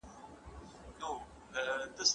د مشرانو نصيحتونه په ژوند کي پلي کړئ.